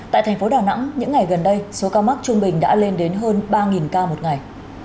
tại thành phố đà nẵng những ngày gần đây số ca mắc trung bình đã lên đến hơn ba ca một ngày